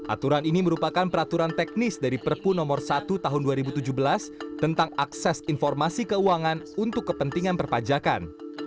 aturan ini merupakan peraturan teknis dari perpu nomor satu tahun dua ribu tujuh belas tentang akses informasi keuangan untuk kepentingan perpajakan